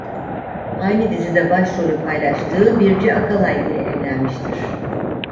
Aynı dizide başrolü paylaştığı Birce Akalay ile evlenmiştir.